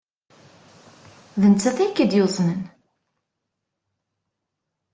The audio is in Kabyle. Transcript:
D nettat ay k-id-yuznen?